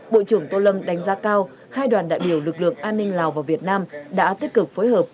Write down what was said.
bộ trưởng tô lâm đánh giá cao hai đoàn đại biểu lực lượng an ninh lào và việt nam đã tích cực phối hợp